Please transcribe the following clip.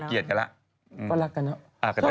ก็มุ้งมิ้งกันดีนะน่ารักดี